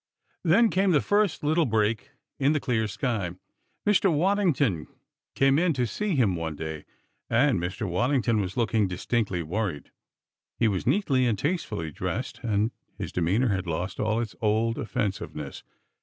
Then came the first little break in the clear sky. Mr. Waddington came in to see him one day and Mr. Waddington was looking distinctly worried. He was neatly and tastefully dressed, and his demeanor had lost all its old offensiveness.